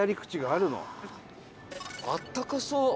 あったかそう！